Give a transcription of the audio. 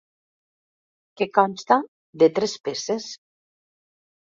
Que consta de tres peces.